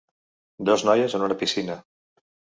Dos noies en una piscina.